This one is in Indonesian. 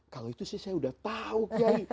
kalau itu sih saya sudah tahu kiai